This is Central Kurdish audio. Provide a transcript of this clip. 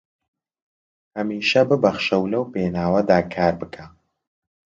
هەمیشە ببەخشە و لەو پێناوەدا کار بکە